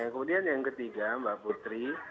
kemudian yang ketiga mbak putri